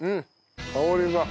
香りが。